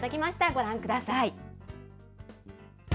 ご覧ください。